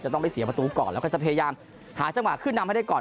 ต้องไปเสียประตูก่อนแล้วก็จะพยายามหาจังหวะขึ้นนำให้ได้ก่อน